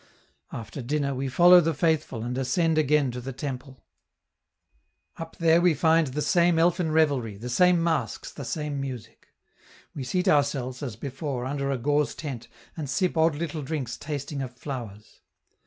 After dinner, we follow the faithful and ascend again to the temple. Up there we find the same elfin revelry, the same masks, the same music. We seat ourselves, as before, under a gauze tent and sip odd little drinks tasting of flowers.